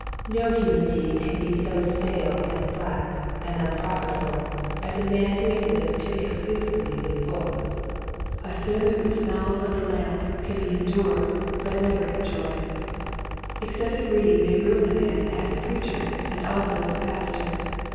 No human being can be so Stale and flat and unprofitable as a man 1 88 Quiet Hints to Growing Preachers. who has lived too exclusively with books. A sermon which smells of the lamp can be endured but never enjoyed. Excessive reading may ruin a man as a preacher and also as a pastor.